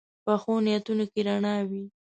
پخو نیتونو کې رڼا وي